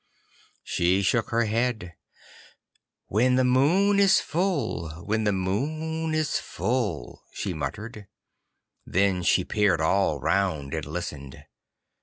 She shook her head. 'When the moon is full, when the moon is full,' she muttered. Then she peered all round, and listened.